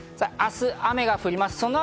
明日、雨が降ります。